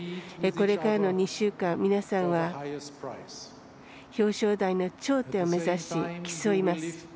これからの２週間皆さんは表彰台の頂点を目指し競います。